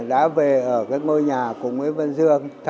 đã về ở cái ngôi nhà của nguyễn văn dương